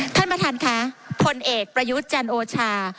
ท่านประธานค่ะพลเอกประยุทธ์จันโอชา